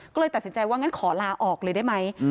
ก็เลยตัดสินใจว่างั้นขอลาออกเลยได้ไหม